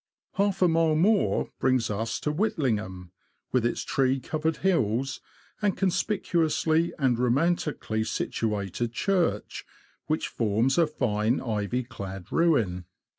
Half a mile more brings us to Whitlingham, with its tree covered hills, and conspicuously and romantically situated church, which forms a fine ivy clad ruin.